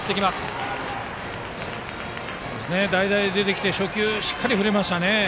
代打で出てきて初球しっかり振りましたね。